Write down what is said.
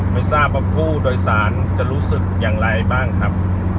ไม่ทราบว่าผู้โดยสารจะรู้สึกอย่างไรบ้างครับ